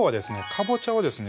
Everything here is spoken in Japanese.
かぼちゃをですね